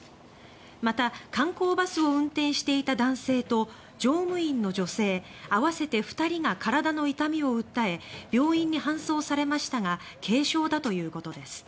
また観光バスを運転していた男性と乗務員の女性合わせて２人が体の痛みを訴え病院に搬送されましたが軽傷だということです。